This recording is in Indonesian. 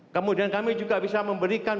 kemudian kami juga bisa memberikan